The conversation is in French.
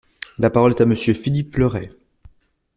La parole est à Monsieur Philippe Le Ray.